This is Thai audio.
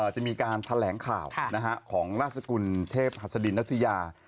จะมีการแถลงข่าวของราชกลเทพภาชฎินนักธุรกิจ